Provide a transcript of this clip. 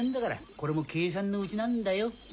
これも計算のうちなんだよ。